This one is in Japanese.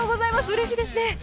うれしいですね。